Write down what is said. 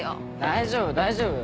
大丈夫大丈夫。